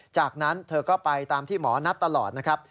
จากนั้นเธอก็ไปตามที่หมอนัดตลอดนะครับ